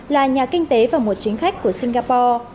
là nhà kinh tế và một chính khách của singapore